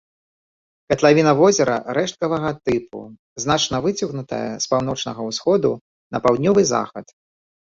Катлавіна возера рэшткавага тыпу, значна выцягнутая з паўночнага ўсходу на паўднёвы захад.